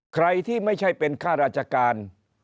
ใครที่ไม่ใช่เป็นข้าราชการ